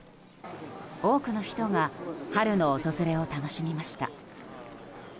多くの人が春の訪れを楽しみました。